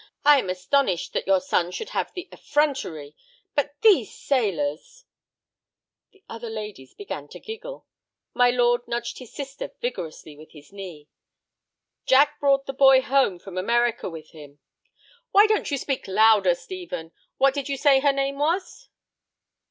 I am astonished that your son should have the effrontery. But these sailors—" The other ladies began to giggle. My lord nudged his sister vigorously with his knee. "Jack brought the boy home from America with him." "Why don't you speak louder, Stephen? What did you say her name was?"